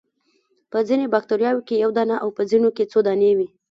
په ځینو باکتریاوو کې یو دانه او په ځینو کې څو دانې وي.